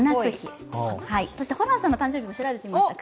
そしてホランさんの誕生日も調べてみました。